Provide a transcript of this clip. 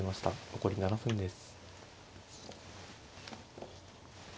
残り７分です。